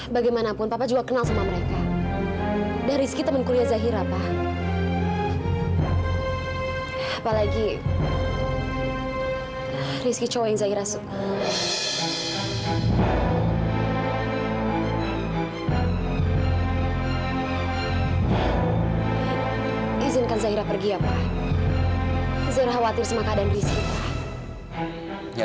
sampai jumpa di video selanjutnya